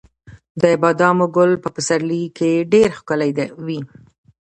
د بادامو ګل په پسرلي کې ډیر ښکلی وي.